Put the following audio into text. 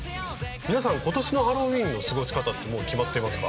皆さん今年のハロウィーンの過ごし方ってもう決まっていますか？